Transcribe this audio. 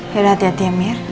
yaudah hati hati ya mir